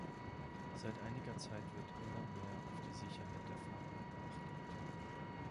Seit einiger Zeit wird immer mehr auf die Sicherheit der Fahrer geachtet.